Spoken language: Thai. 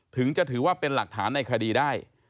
ถึงจะถือว่าเป็นหลักฐานในคดีได้